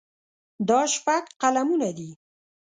دا شپږ قلمونه دي.